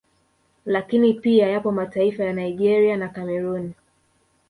Lakini pia yapo mataifa ya Nigeria na Cameroon